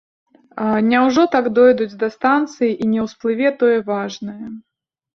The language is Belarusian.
Няўжо так дойдуць да станцыі і не ўсплыве тое важнае!